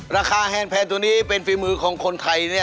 แฮนแพนตัวนี้เป็นฝีมือของคนไทย